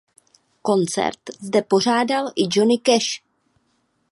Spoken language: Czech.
Koncert zde pořádal i Johnny Cash.